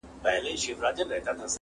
له ټوخي یې په عذاب کلی او کور وو.!